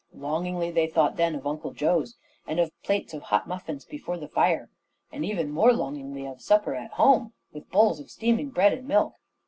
Longingly they thought then of Uncle Joe's and of plates of hot muffins before the fire, and even more longingly of supper at home, with bowls of steaming bread and milk.